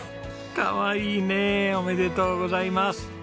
かわいいねえ！おめでとうございます。